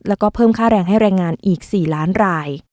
แล้วก็เพิ่มค่าแรงให้แรงงานอีก๔ล้านราย